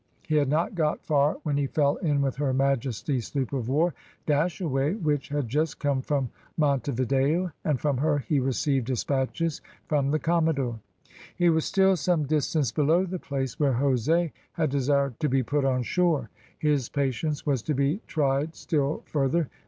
He had not got far when he fell in with her Majesty's sloop of war, Dashaway, which had just come from Monte Video, and from her he received despatches from the commodore. He was still some distance below the place where Jose had desired to be put on shore. His patience was to be tried still further.